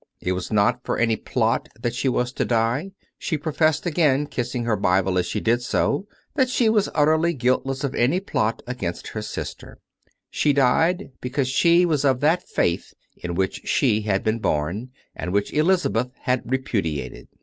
It was not for any plot that she was to die: she professed again, kissing her Bible as she did so, that she was utterly guiltless of any plot against her sister. She died because she was of that Faith in which she had been born, and which Elizabeth had repudiated.